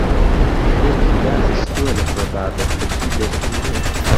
دەرکی داخستووە لە تۆ بابت کەچی دەرکی نییە